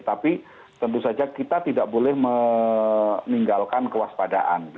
tapi tentu saja kita tidak boleh meninggalkan kewaspadaan